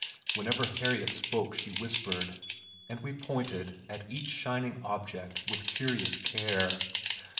Whenever Harriet spoke she whispered, and we pointed at each shining object with cautious care.